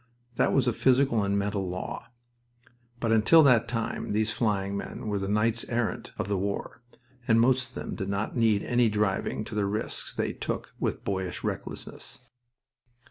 That was a physical and mental law. But until that time these flying men were the knights errant of the war, and most of them did not need any driving to the risks they took with boyish recklessness.